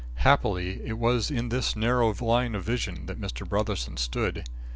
Happily, it was in this narrow line of vision that Mr. Brotherson stood.